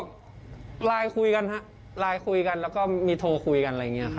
ก็ไลน์คุยกันฮะไลน์คุยกันแล้วก็มีโทรคุยกันอะไรอย่างนี้ครับ